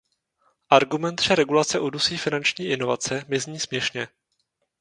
Argument, že regulace udusí finanční inovace, mi zní směšně.